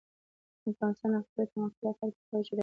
د افغانستان د اقتصادي پرمختګ لپاره پکار ده چې اداره جوړه شي.